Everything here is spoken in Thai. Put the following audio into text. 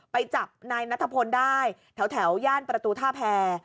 ไปจับนายนัทพลได้แถวย่านประตูท่าแพร